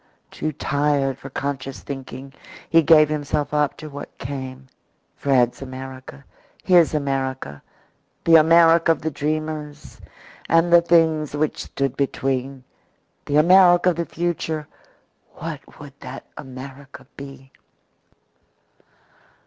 Too tired for conscious thinking, he gave himself up to what came Fred's America, his America, the America of the dreamers and the things which stood between. The America of the future what would that America be?